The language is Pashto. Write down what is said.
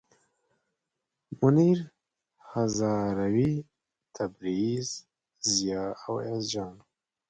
منیر هزاروي، تبریز، ضیا او ایاز جان.